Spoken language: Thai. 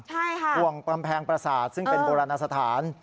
ใช่ค่ะห่วงกำแพงประสาทซึ่งเป็นโบราณสถาน